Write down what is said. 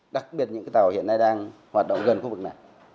đặc biệt những tàu hiện nay đang hoạt động gần khu vực này